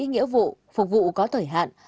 nghĩa vụ phục vụ có thời hạn